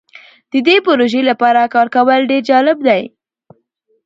د دې پروژې لپاره کار کول ډیر جالب دی.